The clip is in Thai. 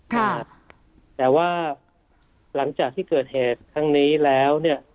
ค่ะแต่ว่าหลังจากที่เกิดเหตุครั้งนี้แล้วเนี่ย